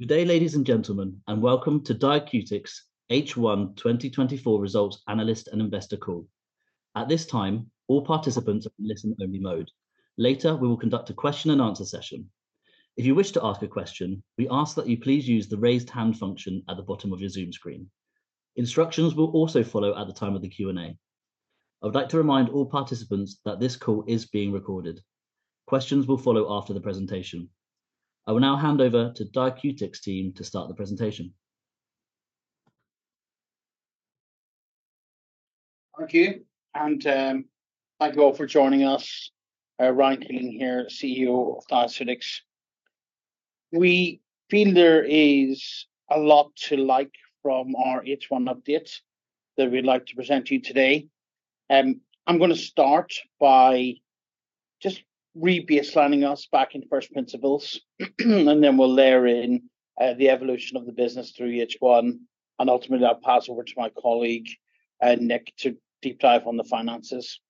Good day, ladies and gentlemen, and welcome to Diaceutics H1 2024 Results Analyst and Investor Call. At this time, all participants are in listen-only mode. Later, we will conduct a Q&A session. If you wish to ask a question, we ask that you please use the raised hand function at the bottom of your Zoom screen. Instructions will also follow at the time of the Q&A. I would like to remind all participants that this call is being recorded. Questions will follow after the presentation. I will now hand over to the Diaceutics team to start the presentation. Thank you, and thank you all for joining us. Ryan Keeling here, CEO of Diaceutics. We feel there is a lot to like from our H1 update that we'd like to present to you today. I'm going to start by just re-baselining us back into first principles, and then we'll layer in the evolution of the business through H1, and ultimately, I'll pass over to my colleague, Nick, to deep dive on the finances.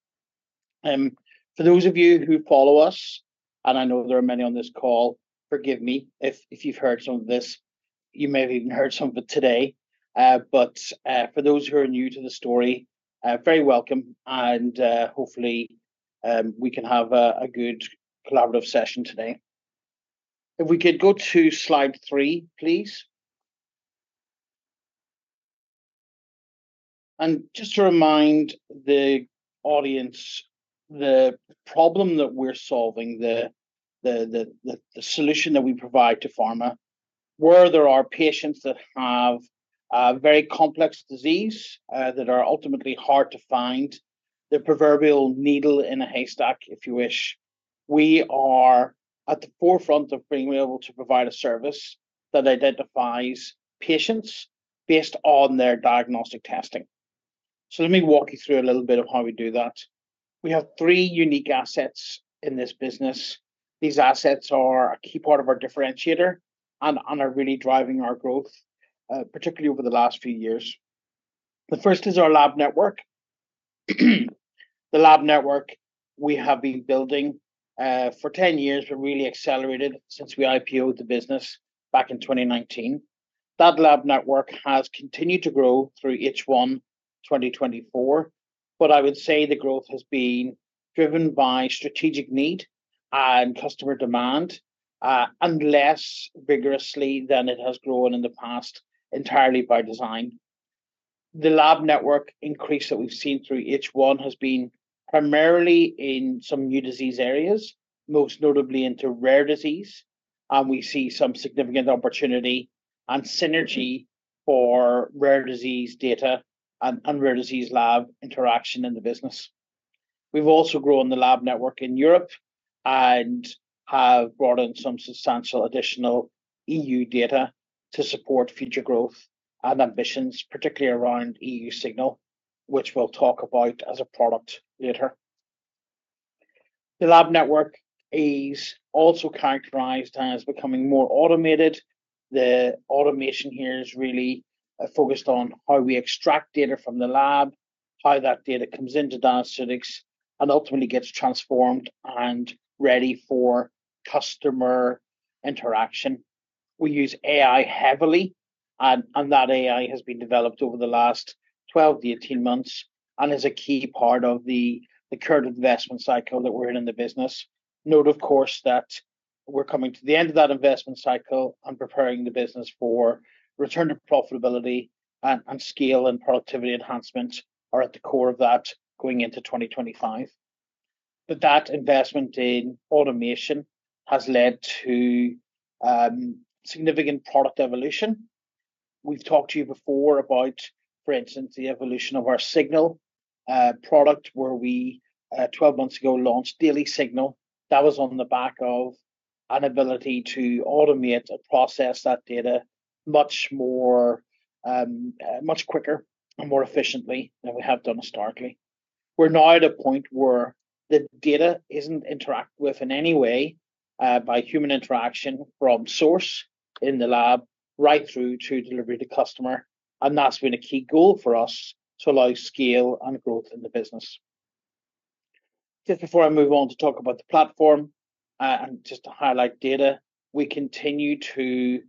For those of you who follow us, and I know there are many on this call, forgive me if you've heard some of this. You may have even heard some of it today. But for those who are new to the story, very welcome, and hopefully, we can have a good collaborative session today. If we could go to slide three, please. And just to remind the audience, the problem that we're solving, the solution that we provide to pharma, where there are patients that have a very complex disease that are ultimately hard to find, the proverbial needle in a haystack, if you wish, we are at the forefront of being able to provide a service that identifies patients based on their diagnostic testing. So let me walk you through a little bit of how we do that. We have three unique assets in this business. These assets are a key part of our differentiator and are really driving our growth, particularly over the last few years. The first is our lab network. The lab network we have been building for 10 years and really accelerated since we IPOed the business back in 2019. That lab network has continued to grow through H1 2024, but I would say the growth has been driven by strategic need and customer demand, and less vigorously than it has grown in the past entirely by design. The lab network increase that we've seen through H1 has been primarily in some new disease areas, most notably into rare disease, and we see some significant opportunity and synergy for rare disease data and rare disease lab interaction in the business. We've also grown the lab network in Europe and have brought in some substantial additional EU data to support future growth and ambitions, particularly around EU Signal, which we'll talk about as a product later. The lab network is also characterized as becoming more automated. The automation here is really focused on how we extract data from the lab, how that data comes into Diaceutics, and ultimately gets transformed and ready for customer interaction. We use AI heavily, and that AI has been developed over the last 12-18 months and is a key part of the current investment cycle that we're in in the business. Note, of course, that we're coming to the end of that investment cycle and preparing the business for return to profitability and scale and productivity enhancements are at the core of that going into 2025. But that investment in automation has led to significant product evolution. We've talked to you before about, for instance, the evolution of our Signal product where we 12 months ago launched Daily Signal. That was on the back of an ability to automate or process that data much quicker and more efficiently than we have done historically. We're now at a point where the data isn't interacted with in any way by human interaction from source in the lab right through to delivery to customer, and that's been a key goal for us to allow scale and growth in the business. Just before I move on to talk about the platform and just to highlight data, we continue to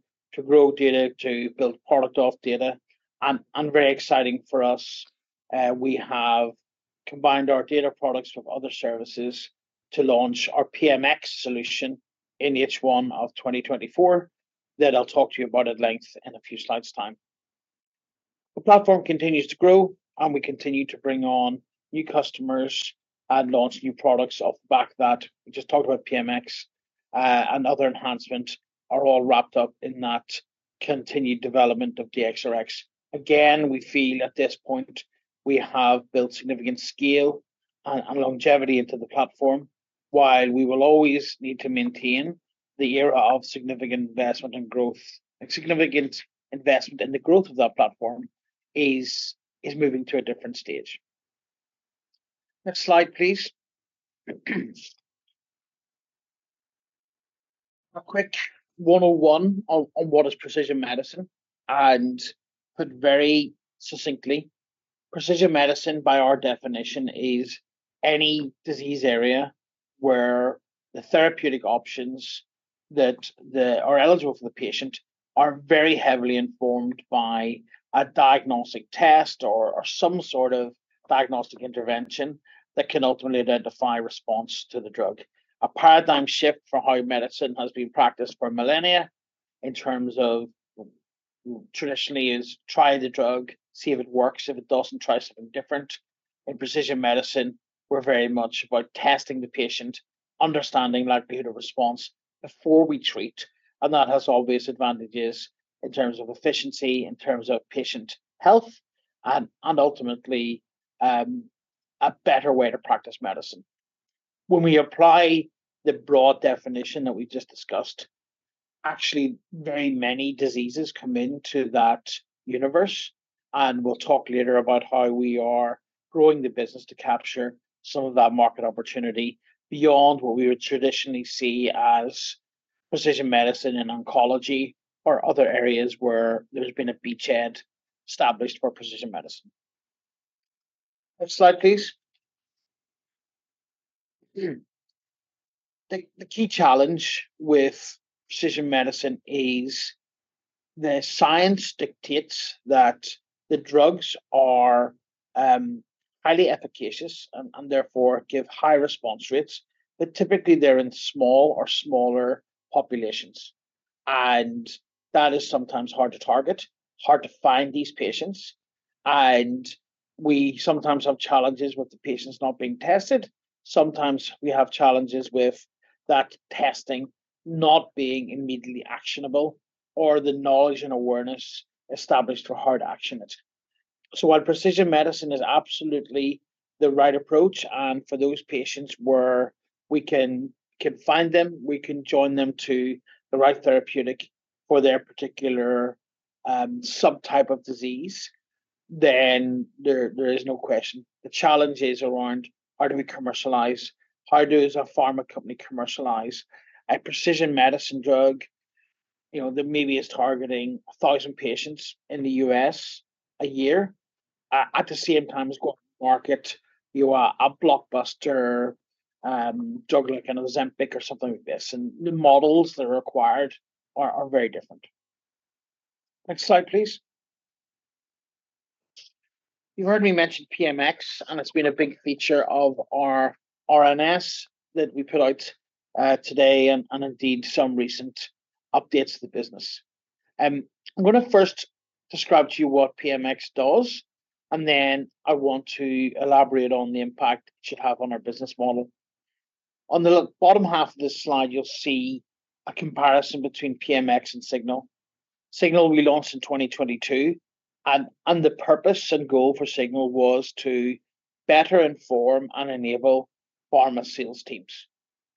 grow data, to build product off data, and very exciting for us. We have combined our data products with other services to launch our PMX solution in H1 of 2024 that I'll talk to you about at length in a few slides' time. The platform continues to grow, and we continue to bring on new customers and launch new products off the back of that. We just talked about PMX, and other enhancements are all wrapped up in that continued development of DXRX. Again, we feel at this point we have built significant scale and longevity into the platform, while we will always need to maintain the era of significant investment and growth. Significant investment in the growth of that platform is moving to a different stage. Next slide, please. A quick 101 on what is precision medicine, and, put very succinctly, precision medicine by our definition is any disease area where the therapeutic options that are eligible for the patient are very heavily informed by a diagnostic test or some sort of diagnostic intervention that can ultimately identify response to the drug. A paradigm shift for how medicine has been practiced for millennia in terms of traditionally is try the drug, see if it works. If it doesn't, try something different. In precision medicine, we're very much about testing the patient, understanding likelihood of response before we treat, and that has obvious advantages in terms of efficiency, in terms of patient health, and ultimately a better way to practice medicine. When we apply the broad definition that we just discussed, actually very many diseases come into that universe, and we'll talk later about how we are growing the business to capture some of that market opportunity beyond what we would traditionally see as precision medicine in oncology or other areas where there's been a beachhead established for precision medicine. Next slide, please. The key challenge with precision medicine is the science dictates that the drugs are highly efficacious and therefore give high response rates, but typically they're in small or smaller populations, and that is sometimes hard to target, hard to find these patients, and we sometimes have challenges with the patients not being tested. Sometimes we have challenges with that testing not being immediately actionable or the knowledge and awareness established for hard actions. So while precision medicine is absolutely the right approach, and for those patients where we can find them, we can join them to the right therapeutic for their particular subtype of disease, then there is no question. The challenge is around how do we commercialize? How does a pharma company commercialize a precision medicine drug? There may be a targeting 1,000 patients in the U.S. a year. At the same time, it's going to market. You are a blockbuster drug like an Ozempic or something like this, and the models that are required are very different. Next slide, please. You've heard me mention PMX, and it's been a big feature of our RNS that we put out today and indeed some recent updates to the business. I'm going to first describe to you what PMX does, and then I want to elaborate on the impact it should have on our business model. On the bottom half of this slide, you'll see a comparison between PMX and Signal. Signal we launched in 2022, and the purpose and goal for Signal was to better inform and enable pharma sales teams.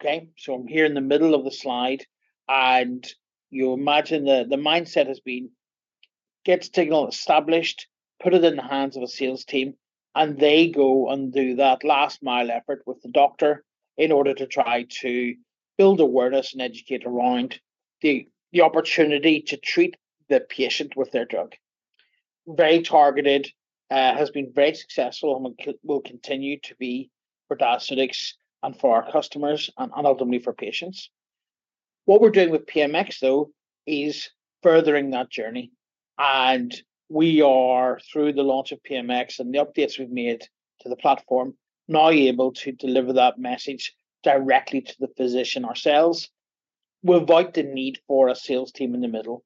Okay, so I'm here in the middle of the slide, and you imagine the mindset has been get Signal established, put it in the hands of a sales team, and they go and do that last mile effort with the doctor in order to try to build awareness and educate around the opportunity to treat the patient with their drug. Very targeted, has been very successful, and will continue to be for Diaceutics and for our customers and ultimately for patients. What we're doing with PMX, though, is furthering that journey, and we are, through the launch of PMX and the updates we've made to the platform, now able to deliver that message directly to the physician ourselves without the need for a sales team in the middle.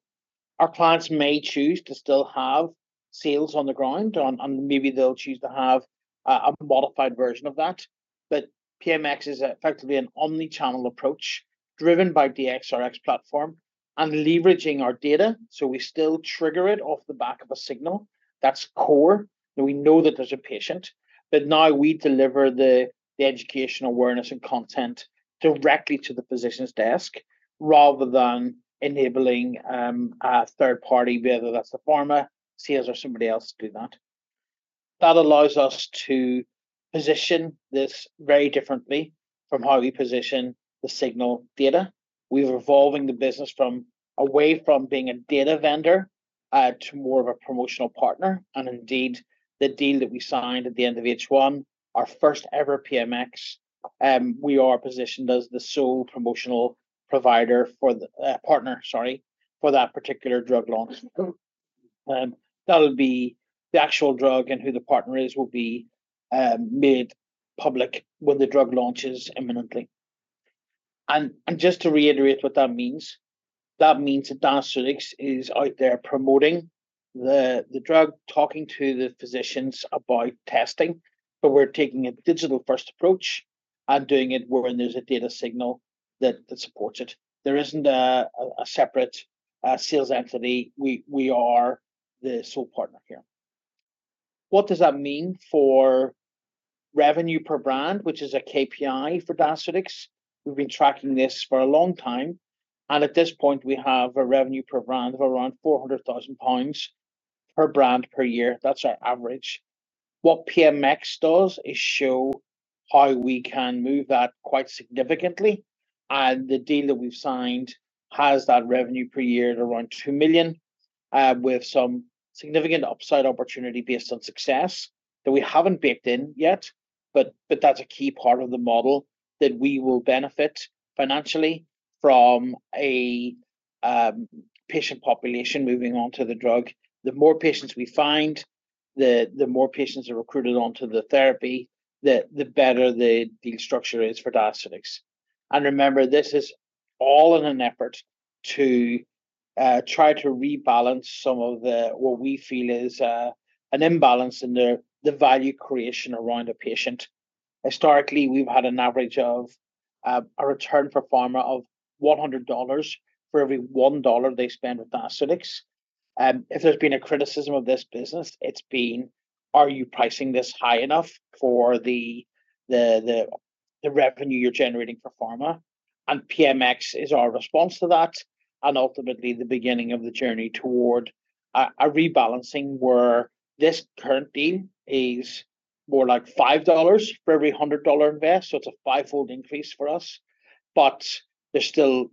Our clients may choose to still have sales on the ground, and maybe they'll choose to have a modified version of that, but PMX is effectively an omnichannel approach driven by DXRX platform and leveraging our data. So we still trigger it off the back of a Signal that's core. We know that there's a patient, but now we deliver the education, awareness, and content directly to the physician's desk rather than enabling a third party, whether that's a pharma, sales, or somebody else, to do that. That allows us to position this very differently from how we position the Signal data. We're evolving the business away from being a data vendor to more of a promotional partner, and indeed the deal that we signed at the end of H1, our first ever PMX, we are positioned as the sole promotional partner for that particular drug launch. That'll be the actual drug and who the partner is will be made public when the drug launches imminently. And just to reiterate what that means, that means that Diaceutics is out there promoting the drug, talking to the physicians about testing, but we're taking a digital-first approach and doing it when there's a data signal that supports it. There isn't a separate sales entity. We are the sole partner here. What does that mean for revenue per brand, which is a KPI for Diaceutics? We've been tracking this for a long time, and at this point, we have a revenue per brand of around 400,000 pounds per brand per year. That's our average. What PMX does is show how we can move that quite significantly, and the deal that we've signed has that revenue per year at around 2 million with some significant upside opportunity based on success that we haven't baked in yet, but that's a key part of the model that we will benefit financially from a patient population moving on to the drug. The more patients we find, the more patients are recruited onto the therapy, the better the deal structure is for Diaceutics. And remember, this is all in an effort to try to rebalance some of what we feel is an imbalance in the value creation around a patient. Historically, we've had an average of a return per pharma of $100 for every $1 they spend with Diaceutics. If there's been a criticism of this business, it's been, are you pricing this high enough for the revenue you're generating for pharma, and PMX is our response to that and ultimately the beginning of the journey toward a rebalancing where this current deal is more like $5 for every $100 investment. So it's a fivefold increase for us, but there's still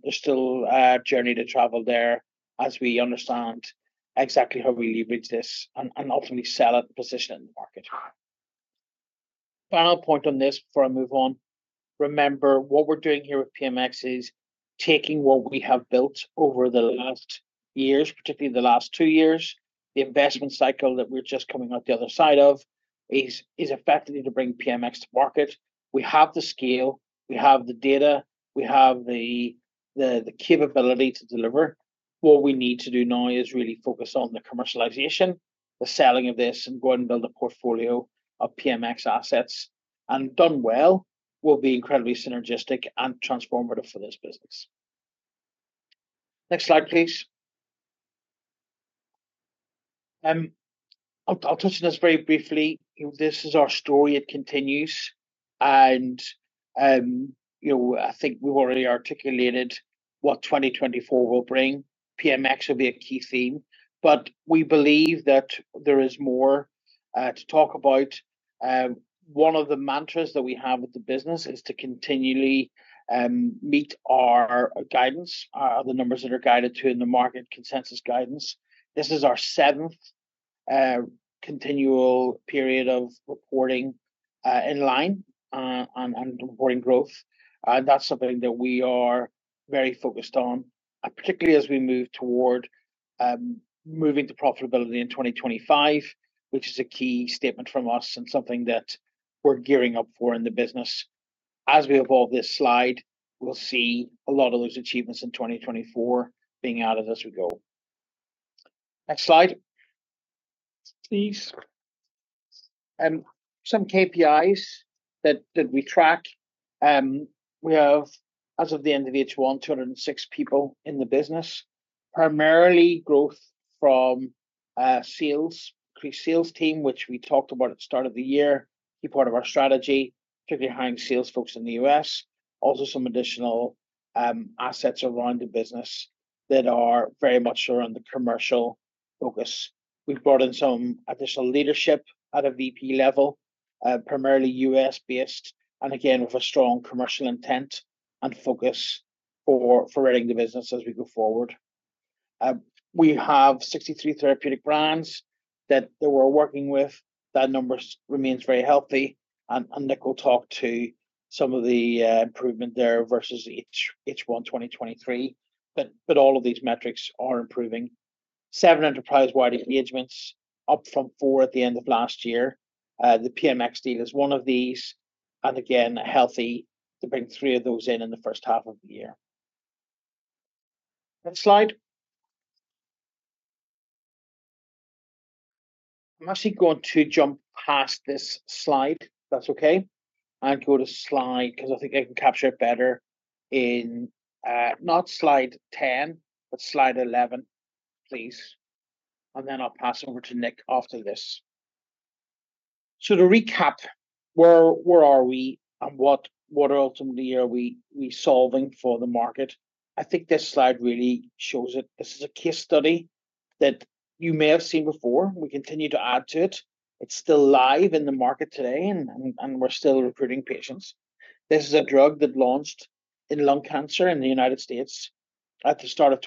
a journey to travel there as we understand exactly how we leverage this and ultimately sell its position in the market. Final point on this before I move on. Remember, what we're doing here with PMX is taking what we have built over the last years, particularly the last two years. The investment cycle that we're just coming out the other side of is effectively to bring PMX to market. We have the scale, we have the data, we have the capability to deliver. What we need to do now is really focus on the commercialization, the selling of this, and go and build a portfolio of PMX assets, and done well, we'll be incredibly synergistic and transformative for this business. Next slide, please. I'll touch on this very briefly. This is our story. It continues, and I think we've already articulated what 2024 will bring. PMX will be a key theme, but we believe that there is more to talk about. One of the mantras that we have with the business is to continually meet our guidance, the numbers that are guided to in the market, consensus guidance. This is our seventh continual period of reporting in line and reporting growth. And that's something that we are very focused on, particularly as we move toward profitability in 2025, which is a key statement from us and something that we're gearing up for in the business. As we evolve this slide, we'll see a lot of those achievements in 2024 being added as we go. Next slide, please. Some KPIs that we track. We have, as of the end of H1, 206 people in the business, primarily growth from the sales team, which we talked about at the start of the year, key part of our strategy, particularly hiring sales folks in the US. Also some additional assets around the business that are very much around the commercial focus. We've brought in some additional leadership at a VP level, primarily U.S.-based, and again, with a strong commercial intent and focus for running the business as we go forward. We have 63 therapeutic brands that we're working with. That number remains very healthy, and Nick will talk to some of the improvement there versus H1 2023, but all of these metrics are improving. Seven enterprise-wide engagements, up from four at the end of last year. The PMX deal is one of these, and again, healthy to bring three of those in in the first half of the year. Next slide. I'm actually going to jump past this slide, if that's okay, and go to slide, because I think I can capture it better in not slide 10, but slide 11, please, and then I'll pass over to Nick after this, so to recap, where are we and what ultimately are we solving for the market? I think this slide really shows it. This is a case study that you may have seen before. We continue to add to it. It's still live in the market today, and we're still recruiting patients. This is a drug that launched in lung cancer in the United States at the start of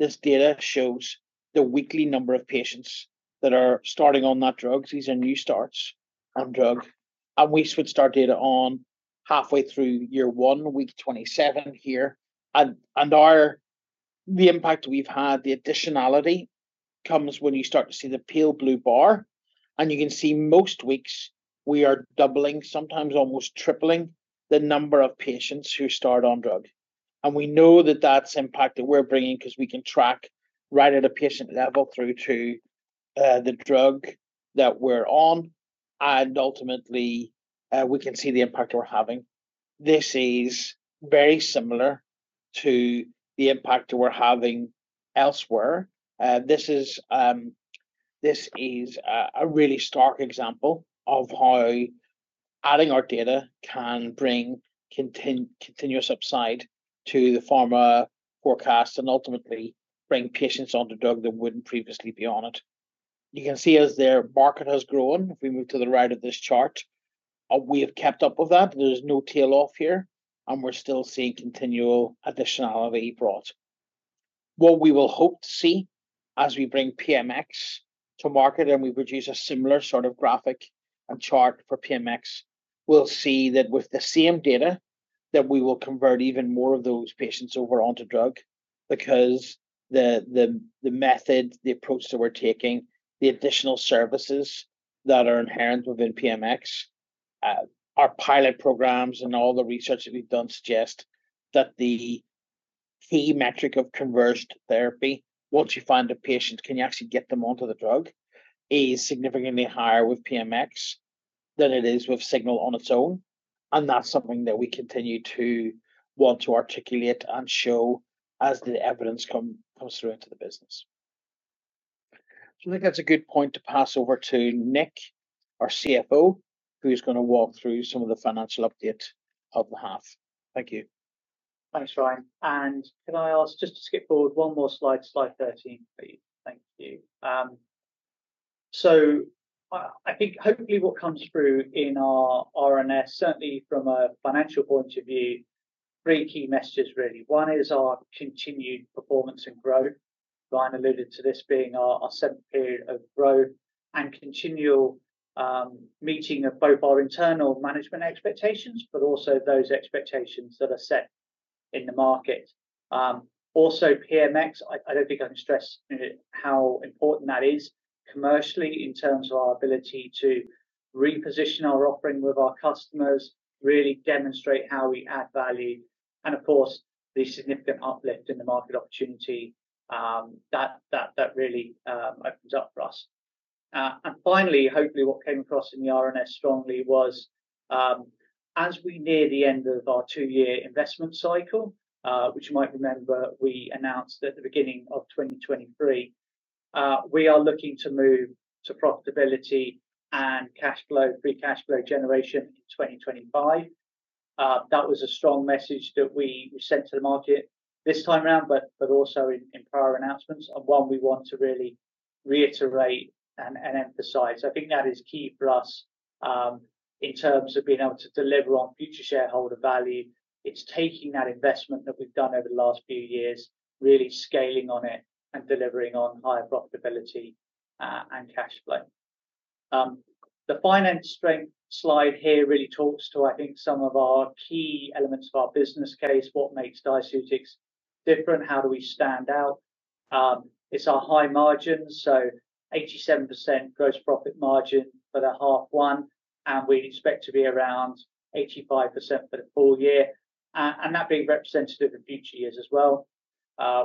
2023. This data shows the weekly number of patients that are starting on that drug. These are new starts on drug. And we switched our data on halfway through year one, week 27 here. And the impact we've had, the additionality comes when you start to see the pale blue bar, and you can see most weeks we are doubling, sometimes almost tripling the number of patients who start on drug. And we know that that's impact that we're bringing because we can track right at a patient level through to the drug that we're on, and ultimately we can see the impact we're having. This is very similar to the impact we're having elsewhere. This is a really stark example of how adding our data can bring continuous upside to the pharma forecast and ultimately bring patients onto drug that wouldn't previously be on it. You can see as their market has grown, if we move to the right of this chart, we have kept up with that. There's no tail off here, and we're still seeing continual additionality brought. What we will hope to see as we bring PMX to market and we produce a similar sort of graphic and chart for PMX, we'll see that with the same data, that we will convert even more of those patients over onto drug because the method, the approach that we're taking, the additional services that are inherent within PMX, our pilot programs and all the research that we've done suggest that the key metric of converged therapy, once you find a patient, can you actually get them onto the drug, is significantly higher with PMX than it is with Signal on its own. And that's something that we continue to want to articulate and show as the evidence comes through into the business. So I think that's a good point to pass over to Nick, our CFO, who's going to walk through some of the financial update of the half. Thank you. Thanks, Ryan. And can I ask just to skip forward one more slide, slide 13? Thank you. So I think hopefully what comes through in our RNS, certainly from a financial point of view, three key messages really. One is our continued performance and growth. Ryan alluded to this being our seventh period of growth and continual meeting of both our internal management expectations, but also those expectations that are set in the market. Also, PMX, I don't think I can stress how important that is commercially in terms of our ability to reposition our offering with our customers, really demonstrate how we add value, and of course, the significant uplift in the market opportunity that really opens up for us. Finally, hopefully what came across in the RNS strongly was as we near the end of our two-year investment cycle, which you might remember we announced at the beginning of 2023, we are looking to move to profitability and cash flow, free cash flow generation in 2025. That was a strong message that we sent to the market this time around, but also in prior announcements, and one we want to really reiterate and emphasize. I think that is key for us in terms of being able to deliver on future shareholder value. It's taking that investment that we've done over the last few years, really scaling on it and delivering on higher profitability and cash flow. The finance strength slide here really talks to, I think, some of our key elements of our business case, what makes Diaceutics different, how do we stand out. It's our high margins, so 87% gross profit margin for the half one, and we expect to be around 85% for the full year, and that being representative of future years as well.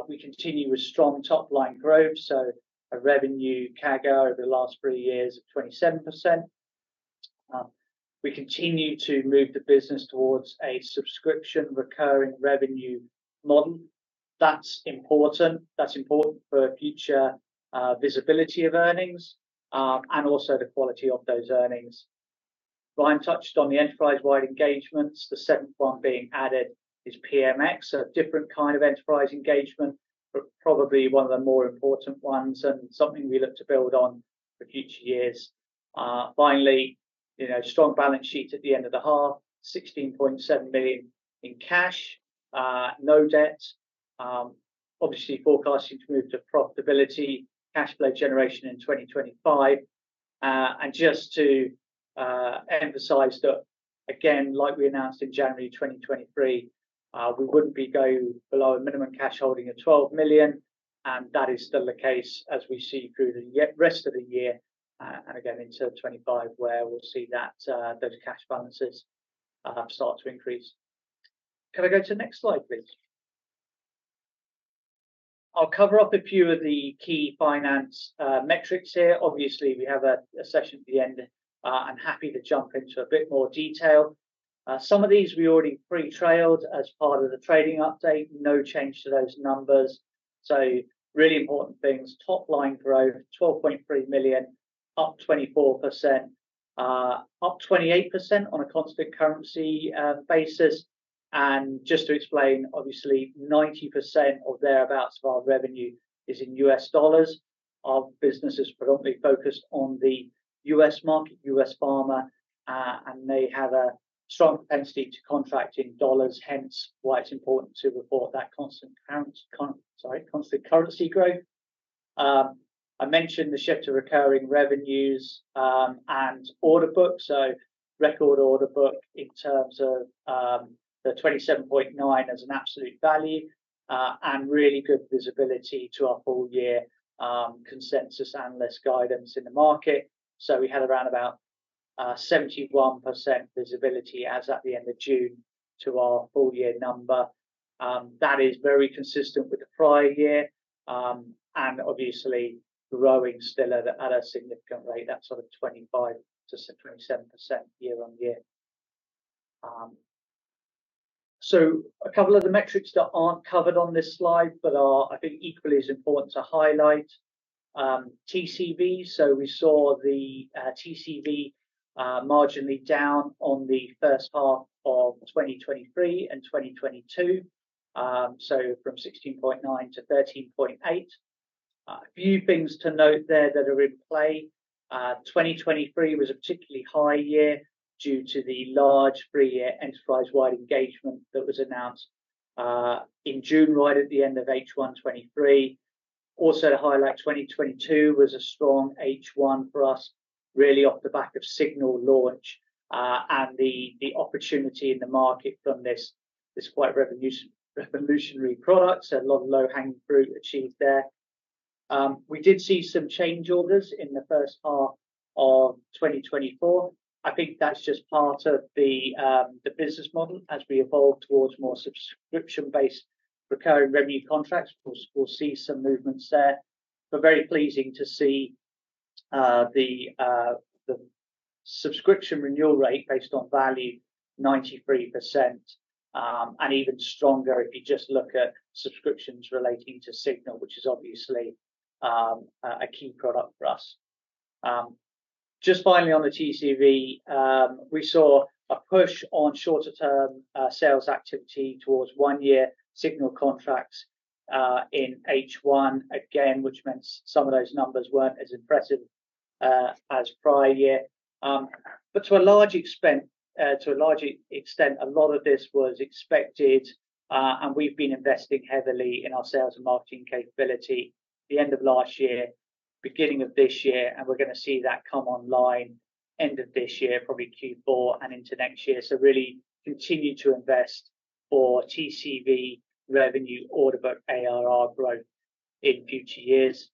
We continue with strong top-line growth, so a revenue CAGR over the last three years of 27%. We continue to move the business towards a subscription recurring revenue model. That's important. That's important for future visibility of earnings and also the quality of those earnings. Ryan touched on the enterprise-wide engagements. The seventh one being added is PMX, a different kind of enterprise engagement, but probably one of the more important ones and something we look to build on for future years. Finally, strong balance sheet at the end of the half, 16.7 million in cash, no debt. Obviously, forecasting to move to profitability, cash flow generation in 2025. And just to emphasize that, again, like we announced in January 2023, we wouldn't be going below a minimum cash holding of 12 million, and that is still the case as we see through the rest of the year and again into 2025, where we'll see that those cash balances start to increase. Can I go to the next slide, please? I'll cover up a few of the key finance metrics here. Obviously, we have a session at the end. I'm happy to jump into a bit more detail. Some of these we already pre-trailed as part of the trading update. No change to those numbers. So really important things, top-line growth, 12.3 million, up 24%, up 28% on a constant currency basis. And just to explain, obviously, 90% or thereabouts of our revenue is in U.S. dollars. Our business is predominantly focused on the U.S. market, U.S. pharma, and they have a strong propensity to contract in dollars, hence why it's important to report that constant currency growth. I mentioned the shift to recurring revenues and order book, so record order book in terms of the 27.9 as an absolute value and really good visibility to our full-year consensus analyst guidance in the market. So we had around about 71% visibility as at the end of June to our full-year number. That is very consistent with the prior year and obviously growing still at a significant rate, that sort of 25%-27% year-on-year. So a couple of the metrics that aren't covered on this slide, but I think equally is important to highlight, TCV. So we saw the TCV marginally down on the first half of 2023 and 2022, so from 16.9 to 13.8. A few things to note there that are in play. 2023 was a particularly high year due to the large three-year enterprise-wide engagement that was announced in June right at the end of H1 2023. Also to highlight, 2022 was a strong H1 for us, really off the back of Signal launch and the opportunity in the market from this quite revolutionary product, so a lot of low-hanging fruit achieved there. We did see some change orders in the first half of 2024. I think that's just part of the business model as we evolve towards more subscription-based recurring revenue contracts. We'll see some movements there, but very pleasing to see the subscription renewal rate based on value, 93%, and even stronger if you just look at subscriptions relating to Signal, which is obviously a key product for us. Just finally on the TCV, we saw a push on shorter-term sales activity towards one-year Signal contracts in H1, again, which meant some of those numbers weren't as impressive as prior year. But to a large extent, a lot of this was expected, and we've been investing heavily in our sales and marketing capability at the end of last year, beginning of this year, and we're going to see that come online end of this year, probably Q4 and into next year. So really continue to invest for TCV revenue order book ARR growth in future years.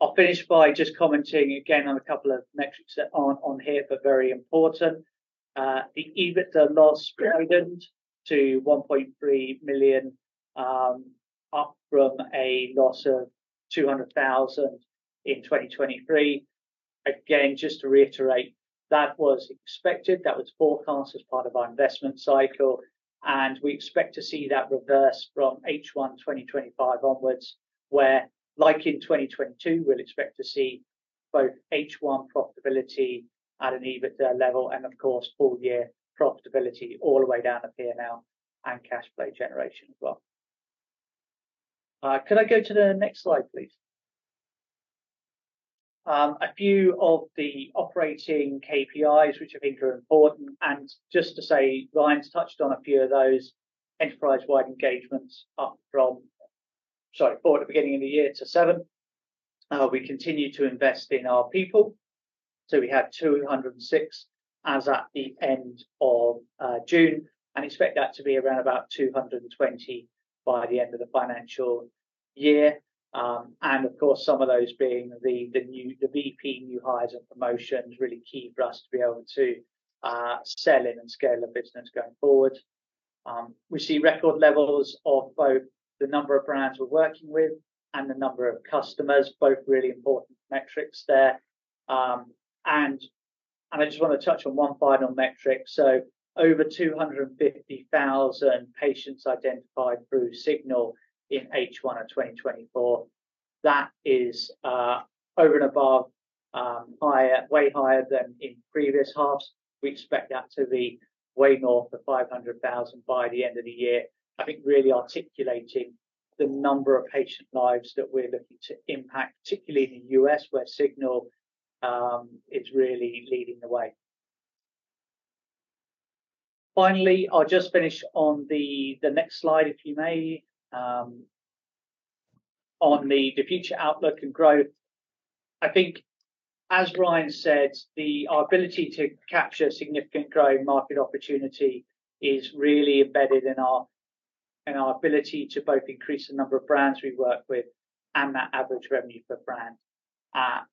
I'll finish by just commenting again on a couple of metrics that aren't on here, but very important. The EBITDA loss guidance to $1.3 million up from a loss of $200,000 in 2023. Again, just to reiterate, that was expected. That was forecast as part of our investment cycle, and we expect to see that reverse from H1 2025 onwards, where like in 2022, we'll expect to see both H1 profitability at an EBITDA level and, of course, full-year profitability all the way down to P&L and cash flow generation as well. Can I go to the next slide, please? A few of the operating KPIs, which I think are important, and just to say, Ryan's touched on a few of those enterprise-wide engagements up from, sorry, forward to the beginning of the year to seven. We continue to invest in our people. So we had 206 as at the end of June and expect that to be around about 220 by the end of the financial year. Of course, some of those being the VP new hires and promotions really key for us to be able to sell in and scale the business going forward. We see record levels of both the number of brands we're working with and the number of customers, both really important metrics there. I just want to touch on one final metric. So, over 250,000 patients identified through Signal in H1 of 2024. That is over and above, way higher than in previous halves. We expect that to be way north of 500,000 by the end of the year. I think really articulating the number of patient lives that we're looking to impact, particularly in the U.S. where Signal is really leading the way. Finally, I'll just finish on the next slide, if you may. On the future outlook and growth, I think, as Ryan said, our ability to capture significant growing market opportunity is really embedded in our ability to both increase the number of brands we work with and that average revenue per brand.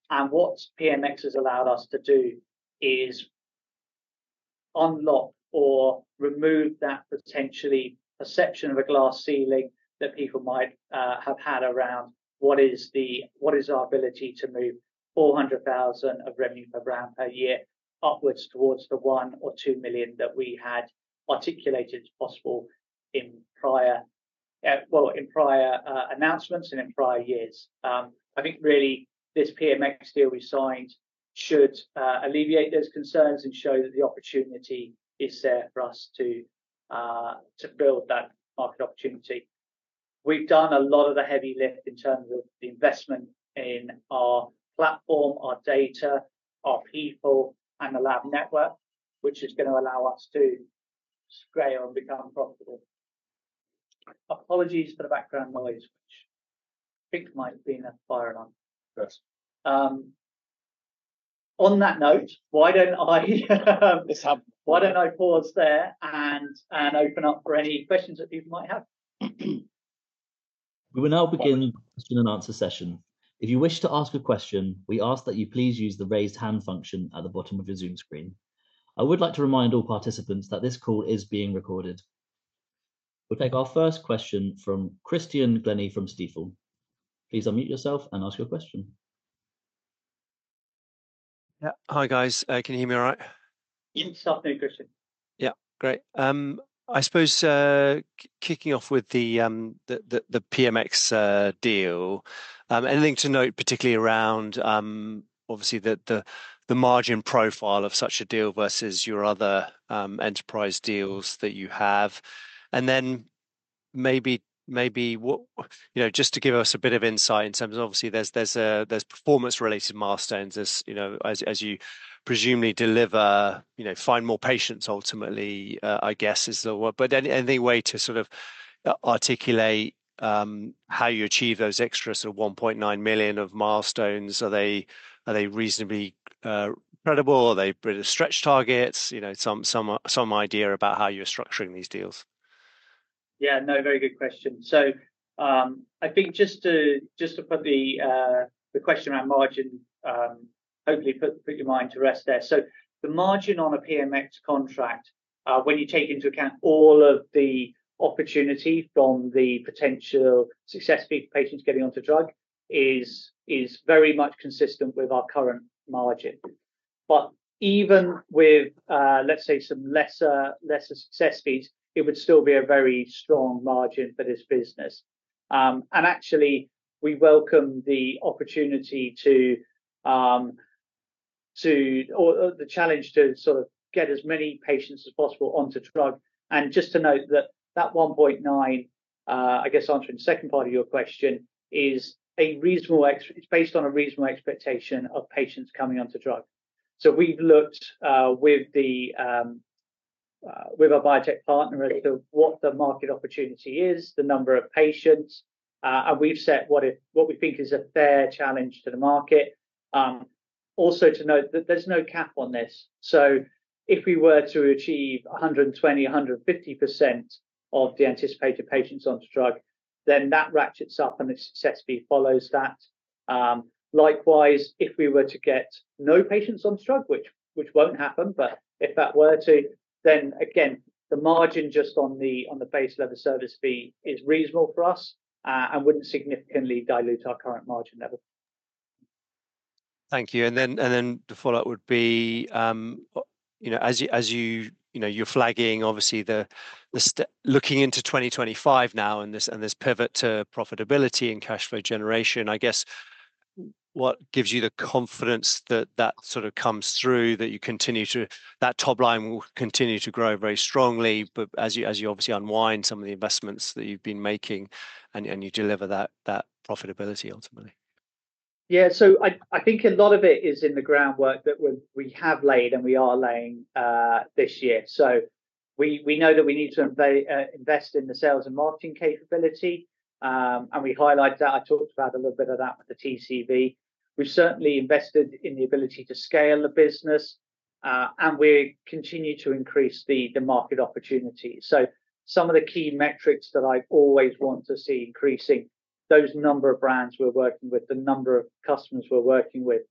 And what PMX has allowed us to do is unlock or remove that potential perception of a glass ceiling that people might have had around what is our ability to move 400,000 of revenue per brand per year upwards towards the one or two million that we had articulated as possible in prior announcements and in prior years. I think really this PMX deal we signed should alleviate those concerns and show that the opportunity is there for us to build that market opportunity. We've done a lot of the heavy lift in terms of the investment in our platform, our data, our people, and the lab network, which is going to allow us to scale and become profitable. Apologies for the background noise, which I think might have been a fire alarm. On that note, why don't I pause there and open up for any questions that people might have? We will now begin the Q&A session. If you wish to ask a question, we ask that you please use the raised hand function at the bottom of your Zoom screen. I would like to remind all participants that this call is being recorded. We'll take our first question from Christian Glennie from Stifel. Please unmute yourself and ask your question. Hi, guys. Can you hear me all right? Yes, I can hear you, Christian. Yeah, great. I suppose kicking off with the PMX deal, anything to note particularly around, obviously, the margin profile of such a deal versus your other enterprise deals that you have? And then maybe just to give us a bit of insight in terms of, obviously, there's performance-related milestones as you presumably deliver, find more patients, ultimately, I guess, is the word. But any way to sort of articulate how you achieve those extra sort of 1.9 million of milestones? Are they reasonably credible? Are they stretch targets? Some idea about how you're structuring these deals? Yeah, no, very good question. So I think just to put the question around margin, hopefully, put your mind to rest there. So the margin on a PMX contract, when you take into account all of the opportunity from the potential success fee for patients getting onto drug, is very much consistent with our current margin. But even with, let's say, some lesser success fees, it would still be a very strong margin for this business. Actually, we welcome the opportunity to the challenge to sort of get as many patients as possible onto drug. Just to note that that 1.9, I guess answering the second part of your question, is based on a reasonable expectation of patients coming onto drug. We've looked with our biotech partner as to what the market opportunity is, the number of patients, and we've set what we think is a fair challenge to the market. Also to note that there's no cap on this. If we were to achieve 120%-150% of the anticipated patients onto drug, then that ratchets up and the success fee follows that. Likewise, if we were to get no patients onto drug, which won't happen, but if that were to, then again, the margin just on the base level service fee is reasonable for us and wouldn't significantly dilute our current margin level. Thank you. And then the follow-up would be, as you're flagging, obviously, looking into 2025 now and this pivot to profitability and cash flow generation, I guess, what gives you the confidence that that sort of comes through, that you continue to, that top line will continue to grow very strongly, but as you obviously unwind some of the investments that you've been making and you deliver that profitability ultimately? Yeah, so I think a lot of it is in the groundwork that we have laid and we are laying this year. So we know that we need to invest in the sales and marketing capability, and we highlight that. I talked about a little bit of that with the TCV. We've certainly invested in the ability to scale the business, and we continue to increase the market opportunity. So some of the key metrics that I always want to see increasing, those number of brands we're working with, the number of customers we're working with.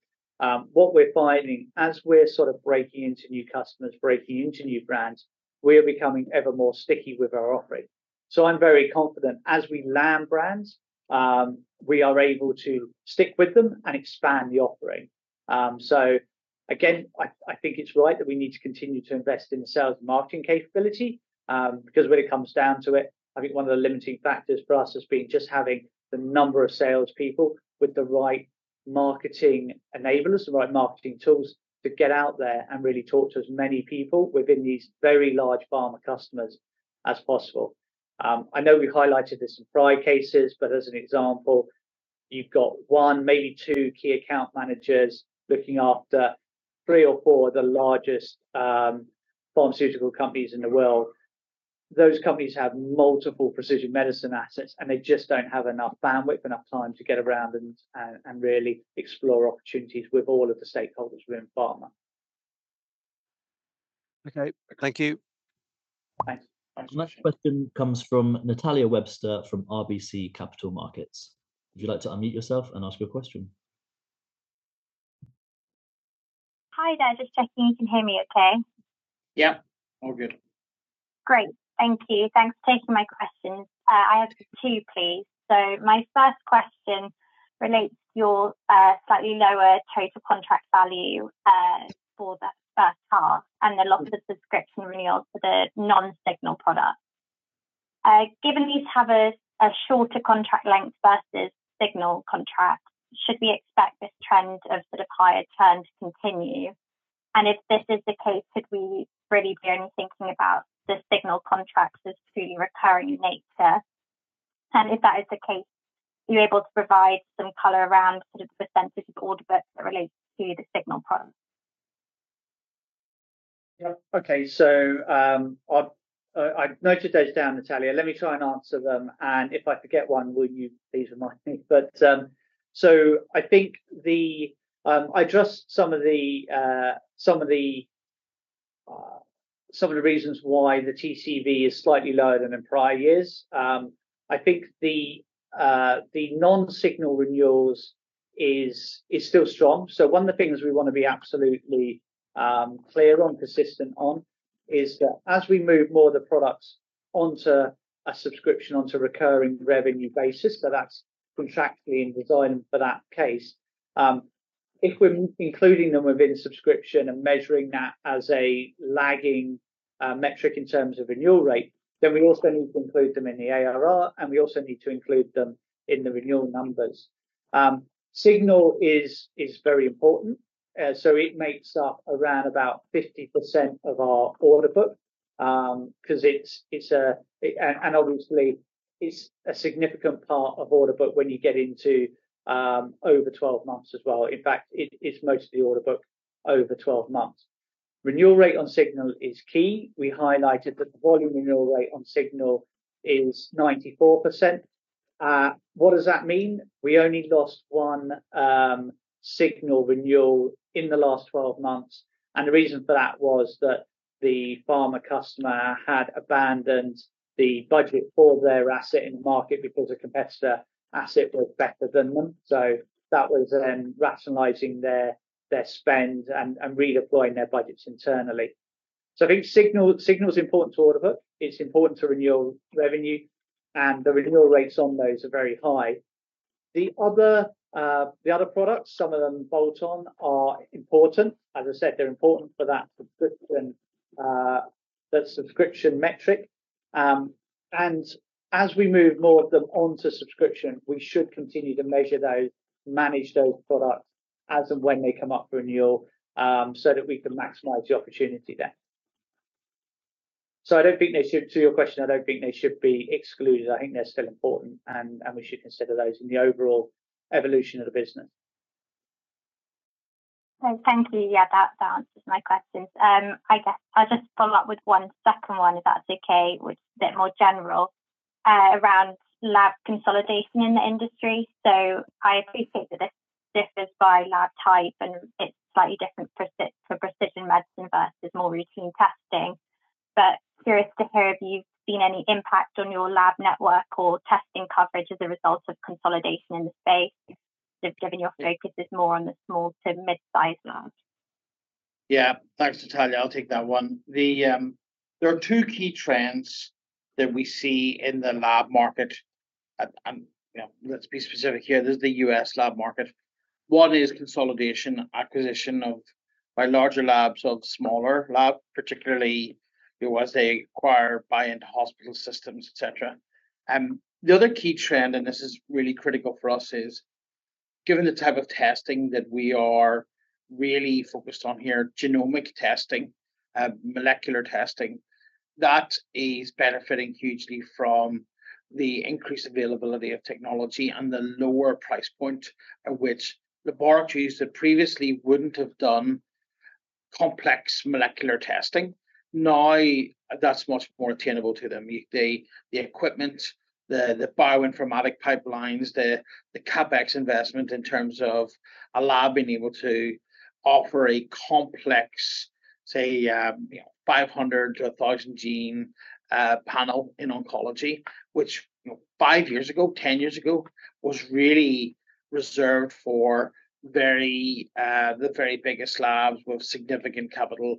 What we're finding, as we're sort of breaking into new customers, breaking into new brands, we are becoming ever more sticky with our offering. So I'm very confident as we land brands, we are able to stick with them and expand the offering. So again, I think it's right that we need to continue to invest in the sales and marketing capability because when it comes down to it, I think one of the limiting factors for us has been just having the number of salespeople with the right marketing enablers, the right marketing tools to get out there and really talk to as many people within these very large pharma customers as possible. I know we highlighted this in prior cases, but as an example, you've got one, maybe two key account managers looking after three or four of the largest pharmaceutical companies in the world. Those companies have multiple precision medicine assets, and they just don't have enough bandwidth, enough time to get around and really explore opportunities with all of the stakeholders within pharma. Okay, thank you. Thanks. Next question comes from Natalia Webster from RBC Capital Markets. Would you like to unmute yourself and ask your question? Hi there, just checking if you can hear me okay. Yep, all good. Great, thank you. Thanks for taking my questions. I have two, please. So my first question relates to your slightly lower total contract value for that first half and the loss of subscription renewals for the non-Signal products. Given these have a shorter contract length versus Signal contracts, should we expect this trend of sort of higher churn to continue? And if this is the case, could we really be only thinking about the Signal contracts as truly recurring in nature? And if that is the case, are you able to provide some color around sort of the percentage of order books that relate to the Signal products? Yep, okay. So I've noted those down, Natalia. Let me try and answer them. And if I forget one, would you please remind me? But so I think I addressed some of the reasons why the TCV is slightly lower than in prior years. I think the non-Signal renewals is still strong. So one of the things we want to be absolutely clear on, persistent on, is that as we move more of the products onto a subscription, onto a recurring revenue basis, but that's contractually in design for that case, if we're including them within subscription and measuring that as a lagging metric in terms of renewal rate, then we also need to include them in the ARR, and we also need to include them in the renewal numbers. Signal is very important. So it makes up around about 50% of our order book because it's a, and obviously, it's a significant part of order book when you get into over 12 months as well. In fact, it's most of the order book over 12 months. Renewal rate on Signal is key. We highlighted that the volume renewal rate on Signal is 94%. What does that mean? We only lost one Signal renewal in the last 12 months. And the reason for that was that the pharma customer had abandoned the budget for their asset in the market because a competitor asset was better than them. So that was then rationalizing their spend and redeploying their budgets internally. So I think Signal is important to order book. It's important to renewal revenue, and the renewal rates on those are very high. The other products, some of them bolt on, are important. As I said, they're important for that subscription metric. And as we move more of them onto subscription, we should continue to measure those, manage those products as and when they come up for renewal so that we can maximize the opportunity there. So I don't think they should, to your question, I don't think they should be excluded. I think they're still important, and we should consider those in the overall evolution of the business. Thank you. Yeah, that answers my questions. I guess I'll just follow up with one second one, if that's okay, which is a bit more general around lab consolidation in the industry. So I appreciate that this differs by lab type, and it's slightly different for precision medicine versus more routine testing. But, curious to hear if you've seen any impact on your lab network or testing coverage as a result of consolidation in the space, given your focus is more on the small to mid-size labs. Yeah, thanks, Natalia. I'll take that one. There are two key trends that we see in the lab market, and let's be specific here. This is the U.S. lab market. One is consolidation, acquisition by larger labs of smaller labs, particularly the ones they acquire, buy into hospital systems, etc. The other key trend, and this is really critical for us, is given the type of testing that we are really focused on here, genomic testing, molecular testing, that is benefiting hugely from the increased availability of technology and the lower price point at which laboratories that previously wouldn't have done complex molecular testing, now that's much more attainable to them. The equipment, the bioinformatic pipelines, the CapEx investment in terms of a lab being able to offer a complex, say, 500-1,000 gene panel in oncology, which five years ago, 10 years ago, was really reserved for the very biggest labs with significant capital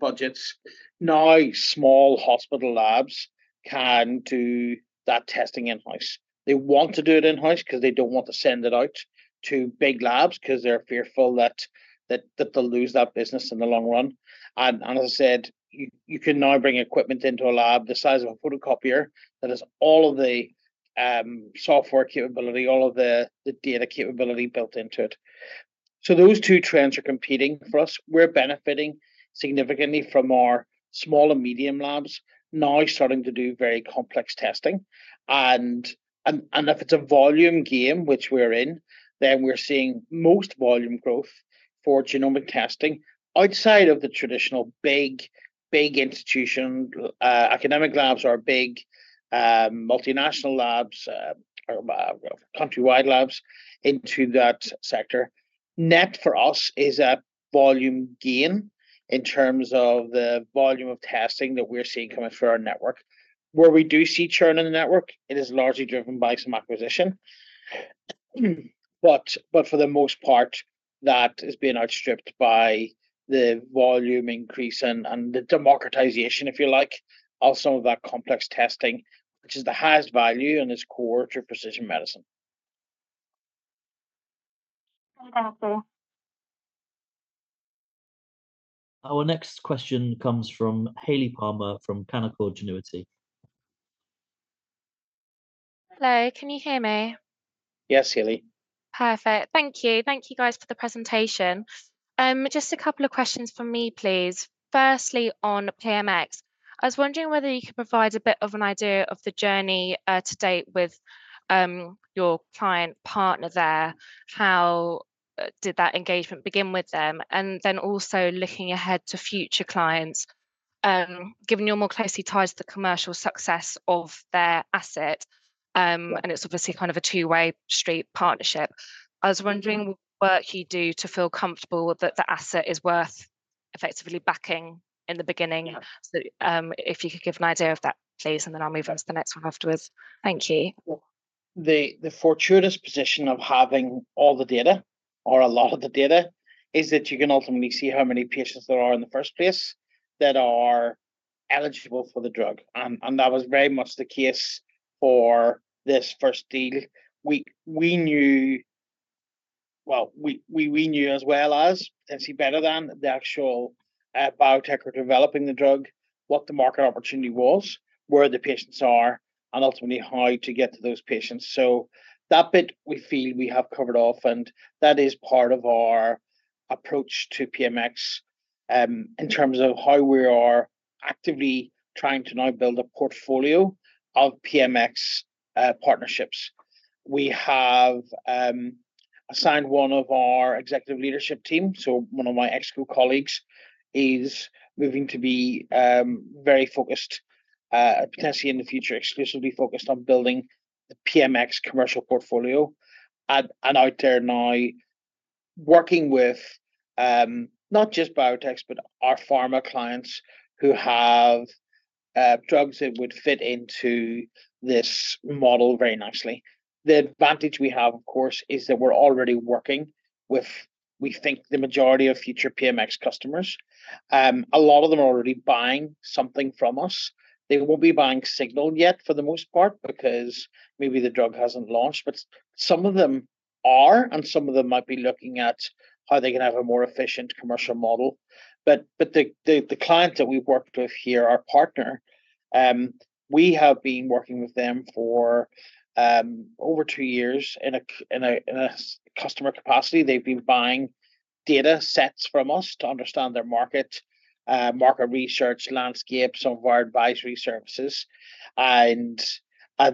budgets. Now, small hospital labs can do that testing in-house. They want to do it in-house because they don't want to send it out to big labs because they're fearful that they'll lose that business in the long run, and as I said, you can now bring equipment into a lab the size of a photocopier that has all of the software capability, all of the data capability built into it, so those two trends are competing for us. We're benefiting significantly from our small and medium labs now starting to do very complex testing. And if it's a volume game, which we're in, then we're seeing most volume growth for genomic testing outside of the traditional big institutions, academic labs or big multinational labs or countrywide labs into that sector. Net for us is a volume gain in terms of the volume of testing that we're seeing coming through our network. Where we do see churn in the network, it is largely driven by some acquisition. But for the most part, that has been outstripped by the volume increase and the democratization, if you like, of some of that complex testing, which is the highest value in this core to precision medicine. Thank you. Our next question comes from Hayley Palmer from Canaccord Genuity. Hello, can you hear me? Yes, Hayley. Perfect. Thank you. Thank you, guys, for the presentation. Just a couple of questions for me, please. Firstly, on PMX, I was wondering whether you could provide a bit of an idea of the journey to date with your client partner there. How did that engagement begin with them? And then also looking ahead to future clients, given you're more closely tied to the commercial success of their asset, and it's obviously kind of a two-way street partnership. I was wondering what work you do to feel comfortable that the asset is worth effectively backing in the beginning. If you could give an idea of that, please, and then I'll move on to the next one afterwards. Thank you. The fortuitous position of having all the data or a lot of the data is that you can ultimately see how many patients there are in the first place that are eligible for the drug. And that was very much the case for this first deal. We knew, well, we knew as well as, and see better than the actual biotech who are developing the drug, what the market opportunity was, where the patients are, and ultimately how to get to those patients. So that bit, we feel we have covered off, and that is part of our approach to PMX in terms of how we are actively trying to now build a portfolio of PMX partnerships. We have assigned one of our executive leadership team. So one of my ex-colleagues is moving to be very focused, potentially in the future, exclusively focused on building the PMX commercial portfolio and out there now, working with not just biotechs, but our pharma clients who have drugs that would fit into this model very nicely. The advantage we have, of course, is that we're already working with, we think, the majority of future PMX customers. A lot of them are already buying something from us. They won't be buying Signal yet for the most part because maybe the drug hasn't launched, but some of them are, and some of them might be looking at how they can have a more efficient commercial model, but the client that we've worked with here, our partner, we have been working with them for over two years in a customer capacity. They've been buying data sets from us to understand their market, market research, landscape, some of our advisory services, and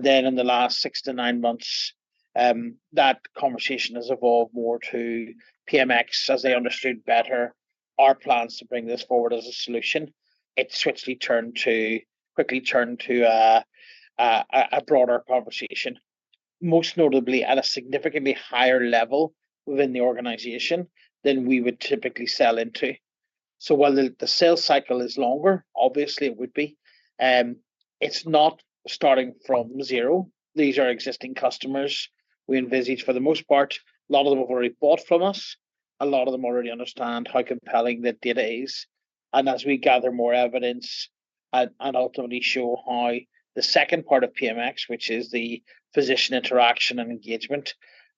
then in the last six-to-nine months, that conversation has evolved more to PMX as they understood better our plans to bring this forward as a solution. It switched to quickly turn to a broader conversation, most notably at a significantly higher level within the organization than we would typically sell into. So while the sales cycle is longer, obviously it would be, it's not starting from zero. These are existing customers we envisage for the most part. A lot of them have already bought from us. A lot of them already understand how compelling that data is. And as we gather more evidence and ultimately show how the second part of PMX, which is the physician interaction and engagement,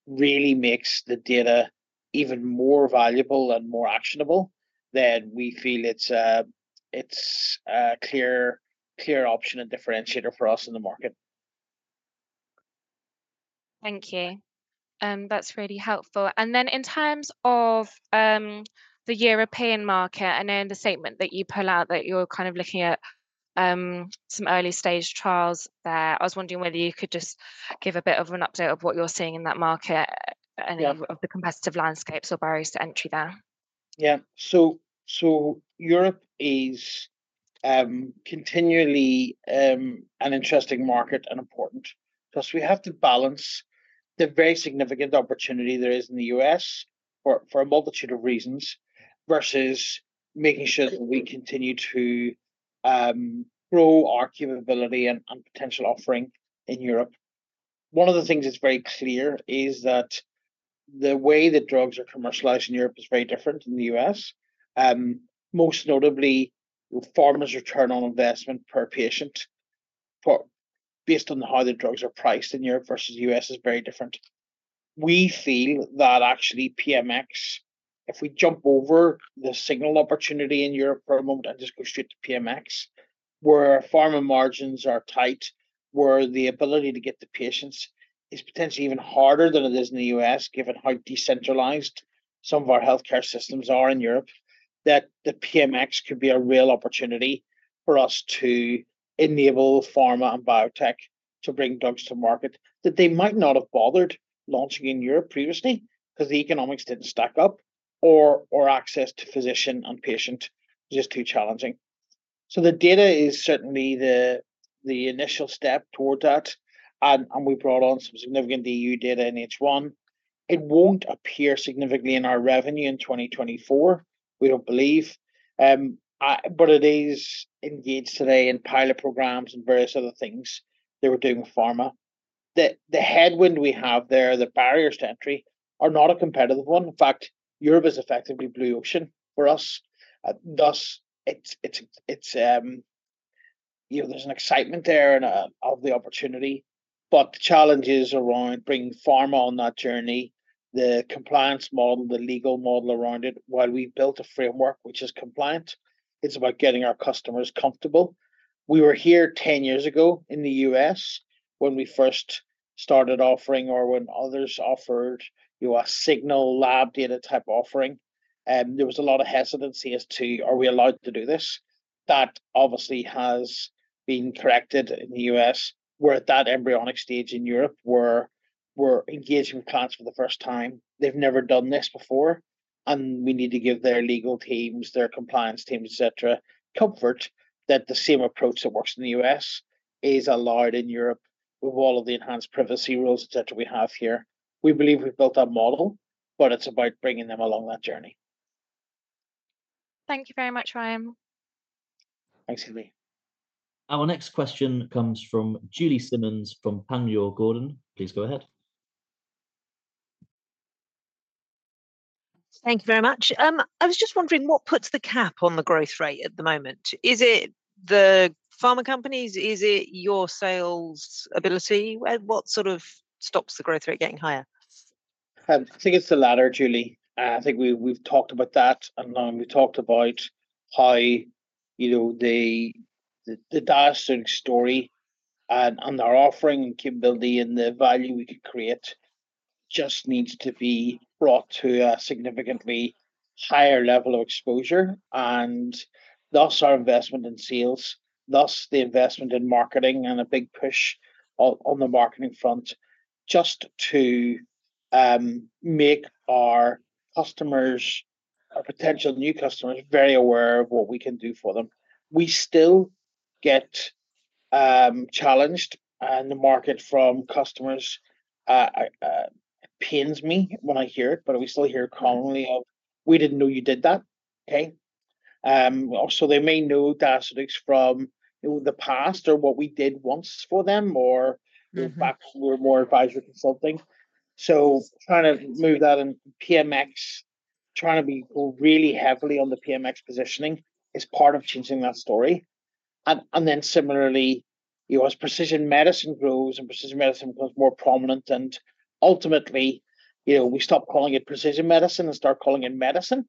really makes the data even more valuable and more actionable, then we feel it's a clear option and differentiator for us in the market. Thank you. That's really helpful. And then in terms of the European market, I know in the statement that you point out that you're kind of looking at some early-stage trials there. I was wondering whether you could just give a bit of an update of what you're seeing in that market and of the competitive landscapes or barriers to entry there. Yeah. So Europe is continually an interesting market and important. Plus, we have to balance the very significant opportunity there is in the U.S. for a multitude of reasons versus making sure that we continue to grow our capability and potential offering in Europe. One of the things that's very clear is that the way that drugs are commercialized in Europe is very different than the U.S. Most notably, pharma's return on investment per patient based on how the drugs are priced in Europe versus the U.S. is very different. We feel that actually PMX, if we jump over the Signal opportunity in Europe for a moment and just go straight to PMX, where pharma margins are tight, where the ability to get the patients is potentially even harder than it is in the U.S., given how decentralized some of our healthcare systems are in Europe, that the PMX could be a real opportunity for us to enable pharma and biotech to bring drugs to market that they might not have bothered launching in Europe previously because the economics didn't stack up or access to physician and patient was just too challenging, so the data is certainly the initial step toward that, and we brought on some significant EU data in H1. It won't appear significantly in our revenue in 2024, we don't believe. But it is engaged today in pilot programs and various other things they were doing with pharma. The headwind we have there, the barriers to entry, are not a competitive one. In fact, Europe is effectively blue ocean for us. Thus, there's an excitement there and of the opportunity. But the challenge is around bringing pharma on that journey, the compliance model, the legal model around it. While we've built a framework which is compliant, it's about getting our customers comfortable. We were here 10 years ago in the U.S. when we first started offering or when others offered a Signal lab data type offering. There was a lot of hesitancy as to, are we allowed to do this? That obviously has been corrected in the U.S. We're at that embryonic stage in Europe. We're engaging with clients for the first time. They've never done this before. And we need to give their legal teams, their compliance teams, etc., comfort that the same approach that works in the U.S. is allowed in Europe with all of the enhanced privacy rules, etc., we have here. We believe we've built that model, but it's about bringing them along that journey. Thank you very much, Ryan. Thanks, Hayley. Our next question comes from Julie Simmonds from Panmure Gordon. Please go ahead. Thank you very much. I was just wondering what puts the cap on the growth rate at the moment. Is it the pharma companies? Is it your sales ability? What sort of stops the growth rate getting higher? I think it's the latter, Julie. I think we've talked about that. And we've talked about how the data story, and our offering and capability and the value we could create just needs to be brought to a significantly higher level of exposure. And thus, our investment in sales, thus the investment in marketing and a big push on the marketing front just to make our customers, our potential new customers, very aware of what we can do for them. We still get challenged, and the market from customers pains me when I hear it, but we still hear commonly of, "We didn't know you did that." Okay? So they may know data studies from the past or what we did once for them or back when we were more advisory consulting. So trying to move that in PMX, trying to be really heavily on the PMX positioning is part of changing that story. And then similarly, as precision medicine grows and precision medicine becomes more prominent, and ultimately, we stop calling it precision medicine and start calling it medicine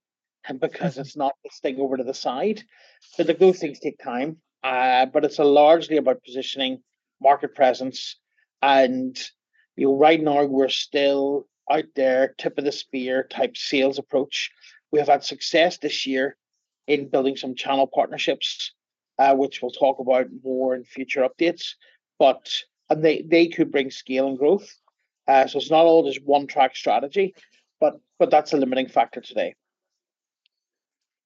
because it's not this thing over to the side. But those things take time. But it's largely about positioning, market presence. And right now, we're still out there, tip-of-the-spear type sales approach. We have had success this year in building some channel partnerships, which we'll talk about more in future updates. But they could bring scale and growth. So it's not all just one-track strategy, but that's a limiting factor today.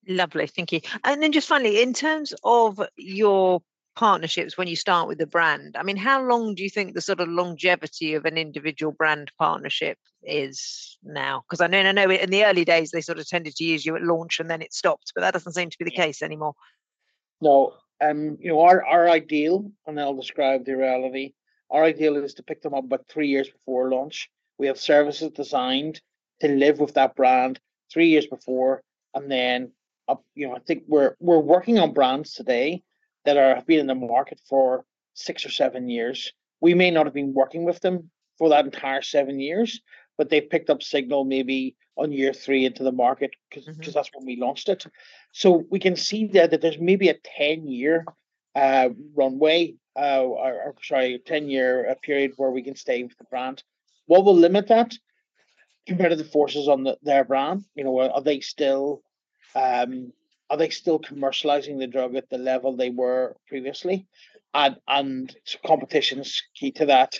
Lovely. Thank you. And then just finally, in terms of your partnerships when you start with the brand, I mean, how long do you think the sort of longevity of an individual brand partnership is now? Because I know in the early days, they sort of tended to use you at launch and then it stopped, but that doesn't seem to be the case anymore. No. Our ideal, and I'll describe the reality, our ideal is to pick them up about three years before launch. We have services designed to live with that brand three years before. And then I think we're working on brands today that have been in the market for six or seven years. We may not have been working with them for that entire seven years, but they've picked up Signal maybe on year three into the market because that's when we launched it. So we can see that there's maybe a 10-year runway, sorry, 10-year period where we can stay with the brand. What will limit that compared to the forces on their brand? Are they still commercializing the drug at the level they were previously? And competition is key to that.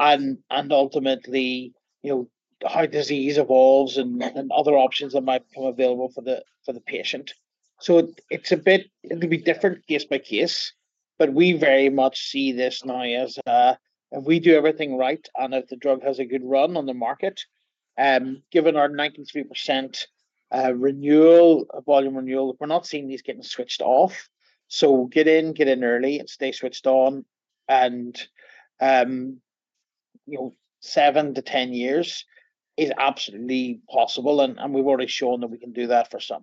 And ultimately, how disease evolves and other options that might become available for the patient. So it'll be different case by case, but we very much see this now as if we do everything right and if the drug has a good run on the market, given our 93% volume renewal, we're not seeing these getting switched off. So get in, get in early, and stay switched on. And seven to ten years is absolutely possible. And we've already shown that we can do that for some.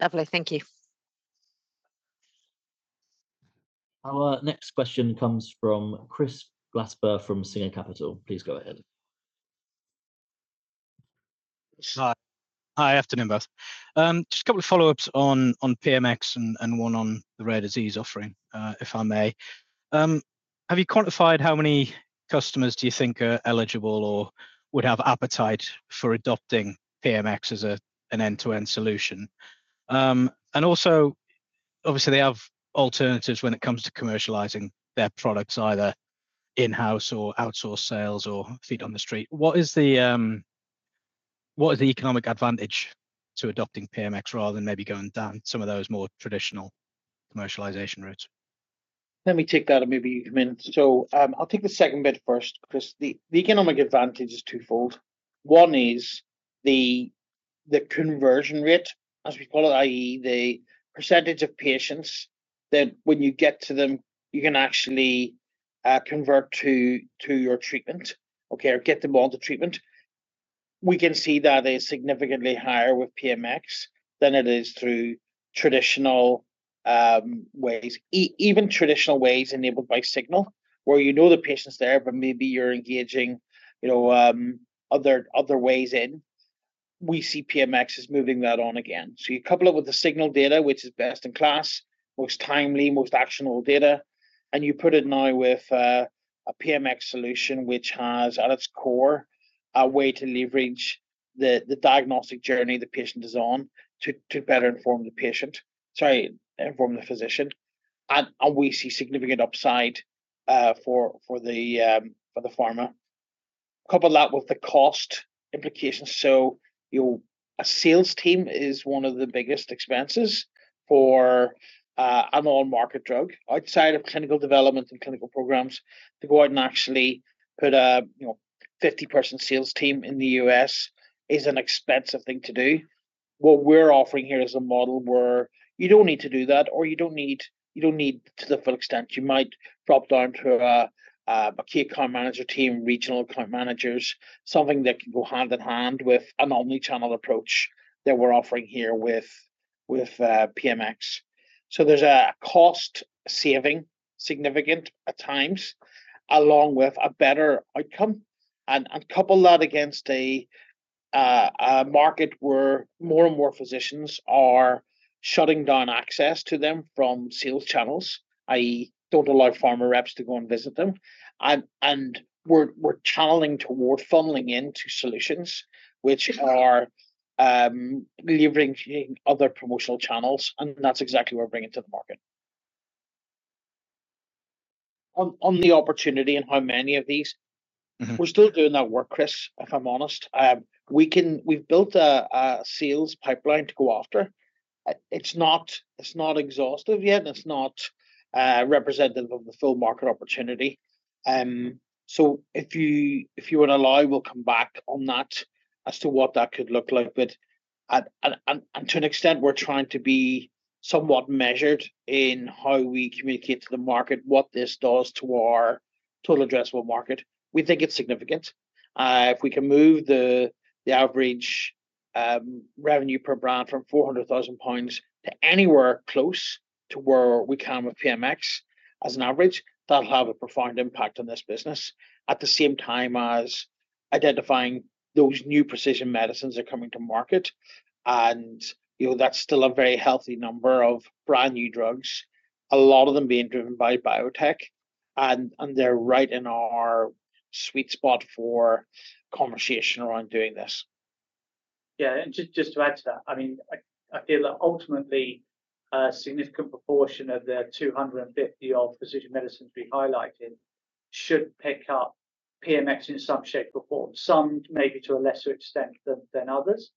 Lovely. Thank you. Our next question comes from Chris Glasper from Singer Capital Markets. Please go ahead. Hi. Hi. Afternoon, both. Just a couple of follow-ups on PMX and one on the rare disease offering, if I may. Have you quantified how many customers do you think are eligible or would have appetite for adopting PMX as an end-to-end solution, and also, obviously, they have alternatives when it comes to commercializing their products, either in-house or outsource sales or feet on the street? What is the economic advantage to adopting PMX rather than maybe going down some of those more traditional commercialization routes? Let me take that, and maybe you can then, so I'll take the second bit first because the economic advantage is twofold. One is the conversion rate, as we call it, i.e., the percentage of patients that when you get to them, you can actually convert to your treatment, okay, or get them onto treatment. We can see that is significantly higher with PMX than it is through traditional ways, even traditional ways enabled by Signal, where you know the patient's there, but maybe you're engaging other ways in. We see PMX is moving that on again. So you couple it with the Signal data, which is best in class, most timely, most actionable data. And you put it now with a PMX solution, which has at its core a way to leverage the diagnostic journey the patient is on to better inform the patient, sorry, inform the physician. And we see significant upside for the pharma. Couple that with the cost implications. So a sales team is one of the biggest expenses for an on-market drug. Outside of clinical development and clinical programs, to go out and actually put a 50-person sales team in the US is an expensive thing to do. What we're offering here is a model where you don't need to do that, or you don't need to the full extent. You might drop down to a key account manager team, regional account managers, something that can go hand in hand with an omnichannel approach that we're offering here with PMX. So there's a cost saving significant at times, along with a better outcome. And couple that against a market where more and more physicians are shutting down access to them from sales channels, i.e., don't allow pharma reps to go and visit them. And we're channeling toward funneling into solutions, which are leveraging other promotional channels. And that's exactly what we're bringing to the market. On the opportunity and how many of these, we're still doing that work, Chris, if I'm honest. We've built a sales pipeline to go after. It's not exhaustive yet. It's not representative of the full market opportunity. So if you want to allow, we'll come back on that as to what that could look like. But to an extent, we're trying to be somewhat measured in how we communicate to the market what this does to our total addressable market. We think it's significant. If we can move the average revenue per brand from 400,000 pounds to anywhere close to where we can with PMX as an average, that'll have a profound impact on this business. At the same time as identifying those new precision medicines that are coming to market. And that's still a very healthy number of brand new drugs, a lot of them being driven by biotech. And they're right in our sweet spot for conversation around doing this. Yeah. Just to add to that, I mean, I feel that ultimately, a significant proportion of the 250-odd precision medicines we highlighted should pick up PMX in some shape or form, some maybe to a lesser extent than others.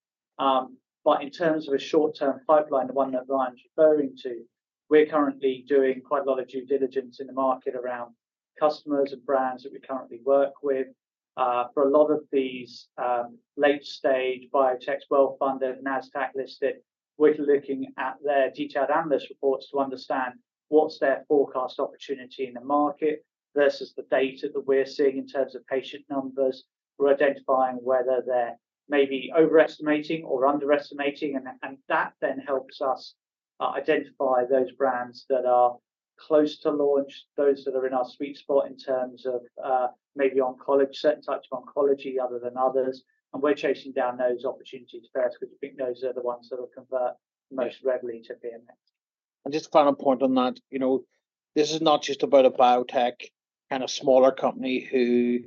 In terms of a short-term pipeline, the one that Ryan's referring to, we're currently doing quite a lot of due diligence in the market around customers and brands that we currently work with. For a lot of these late-stage biotechs, well-funded, NASDAQ-listed, we're looking at their detailed analyst reports to understand what's their forecast opportunity in the market versus the data that we're seeing in terms of patient numbers. We're identifying whether they're maybe overestimating or underestimating. That then helps us identify those brands that are close to launch, those that are in our sweet spot in terms of maybe certain types of oncology other than others. And we're chasing down those opportunities first because we think those are the ones that will convert most readily to PMX. And just to kind of point on that, this is not just about a biotech kind of smaller company who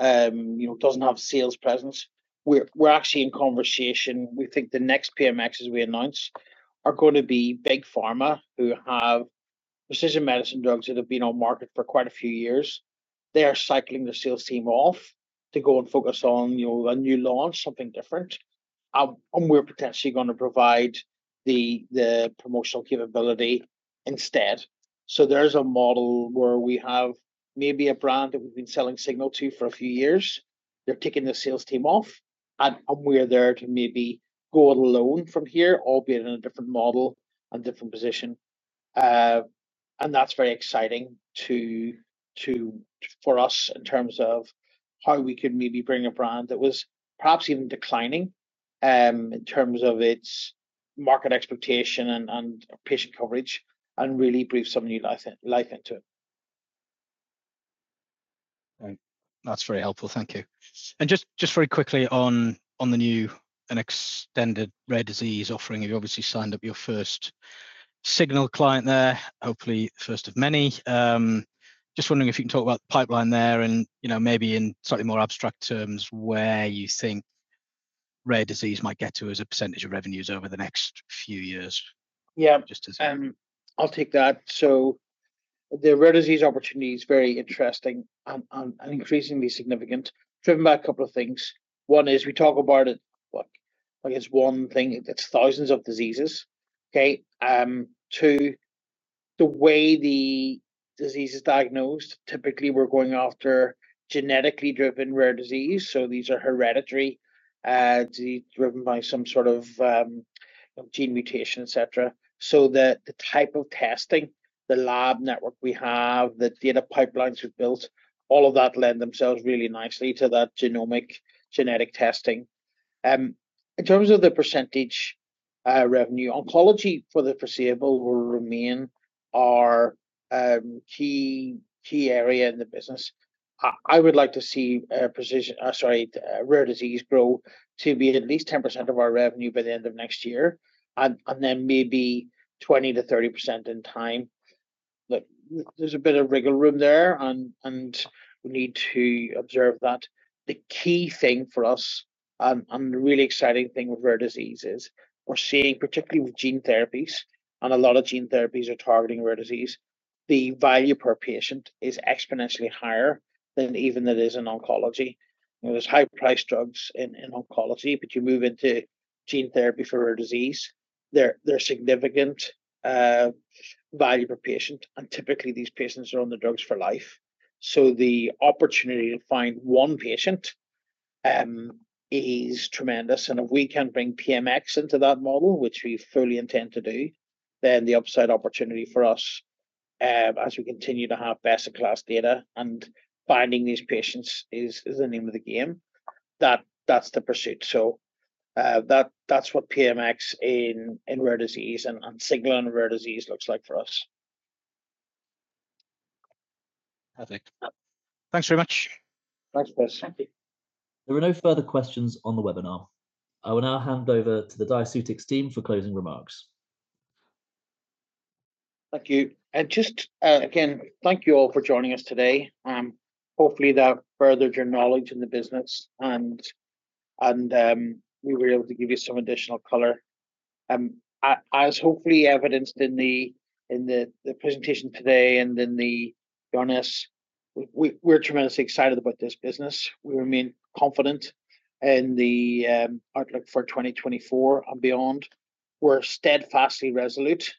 doesn't have sales presence. We're actually in conversation. We think the next PMX, as we announced, are going to be big pharma who have precision medicine drugs that have been on market for quite a few years. They are cycling the sales team off to go and focus on a new launch, something different. And we're potentially going to provide the promotional capability instead. So there's a model where we have maybe a brand that we've been selling Signal to for a few years. They're taking the sales team off. And we're there to maybe go it alone from here, albeit in a different model and different position. And that's very exciting for us in terms of how we could maybe bring a brand that was perhaps even declining in terms of its market expectation and patient coverage and really breathe some new life into it. That's very helpful. Thank you. And just very quickly on the new and extended rare disease offering, you've obviously signed up your first Signal client there, hopefully first of many. Just wondering if you can talk about the pipeline there and maybe in slightly more abstract terms where you think rare disease might get to as a percentage of revenues over the next few years. Yeah. I'll take that. So the rare disease opportunity is very interesting and increasingly significant, driven by a couple of things. One is we talk about it. I guess one thing, it's thousands of diseases. Okay? Two, the way the disease is diagnosed, typically we're going after genetically driven rare disease. So these are hereditary disease driven by some sort of gene mutation, etc. So the type of testing, the lab network we have, the data pipelines we've built, all of that lend themselves really nicely to that genomic genetic testing. In terms of the percentage revenue, oncology for the foreseeable will remain our key area in the business. I would like to see precision, sorry, rare disease grow to be at least 10% of our revenue by the end of next year, and then maybe 20%-30% in time. Look, there's a bit of wiggle room there, and we need to observe that. The key thing for us and the really exciting thing with rare disease is we're seeing, particularly with gene therapies, and a lot of gene therapies are targeting rare disease, the value per patient is exponentially higher than even that is in oncology. There's high-priced drugs in oncology, but you move into gene therapy for rare disease, there's significant value per patient. And typically, these patients are on the drugs for life. So the opportunity to find one patient is tremendous. And if we can bring PMX into that model, which we fully intend to do, then the upside opportunity for us, as we continue to have best-in-class data and finding these patients is the name of the game. That's the pursuit. So that's what PMX in rare disease and Signal in rare disease looks like for us. Perfect. Thanks very much. Thanks, Chris. Thank you. There were no further questions on the webinar. I will now hand over to the Diaceutics team for closing remarks. Thank you, and just again, thank you all for joining us today. Hopefully, that furthered your knowledge in the business, and we were able to give you some additional color. As hopefully evidenced in the presentation today and in the Q&A, we're tremendously excited about this business. We remain confident in the outlook for 2024 and beyond. We're steadfastly resolute,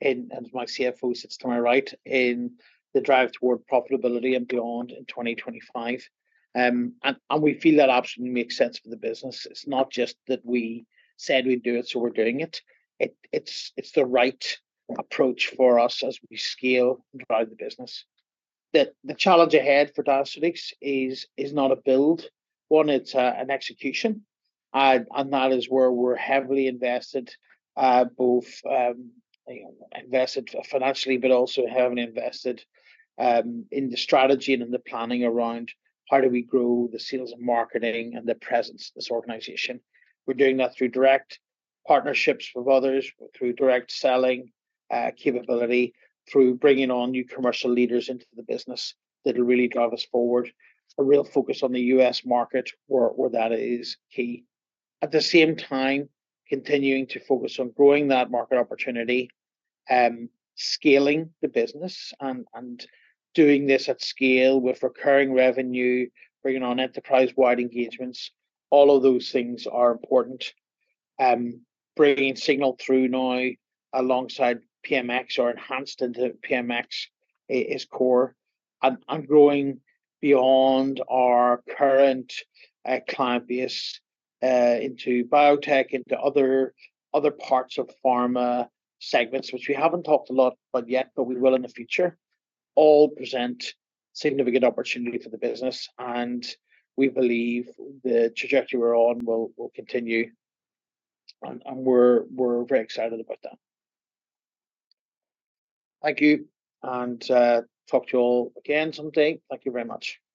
and my CFO sits to my right in the drive toward profitability and beyond in 2025, and we feel that absolutely makes sense for the business. It's not just that we said we'd do it, so we're doing it. It's the right approach for us as we scale and drive the business. The challenge ahead for Diaceutics is not a build one. It's an execution. And that is where we're heavily invested, both invested financially, but also heavily invested in the strategy and in the planning around how do we grow the sales and marketing and the presence of this organization. We're doing that through direct partnerships with others, through direct selling capability, through bringing on new commercial leaders into the business that will really drive us forward. A real focus on the U.S. market, where that is key. At the same time, continuing to focus on growing that market opportunity, scaling the business, and doing this at scale with recurring revenue, bringing on enterprise-wide engagements. All of those things are important. Bringing Signal through now alongside PMX or enhanced into PMX is core. And growing beyond our current client base into biotech, into other parts of pharma segments, which we haven't talked a lot about yet, but we will in the future, all present significant opportunity for the business. And we believe the trajectory we're on will continue. And we're very excited about that. Thank you. And talk to you all again someday. Thank you very much. Thank you.